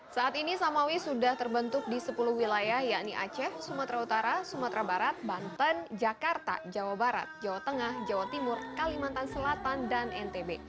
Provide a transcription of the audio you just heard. saat ini samawi sudah terbentuk di sepuluh wilayah yakni aceh sumatera utara sumatera barat banten jakarta jawa barat jawa tengah jawa timur kalimantan selatan dan ntb